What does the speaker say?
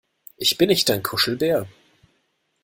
Ich bin nicht dein Kuschelbär!